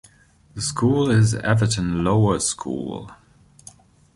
The school is Everton Lower School.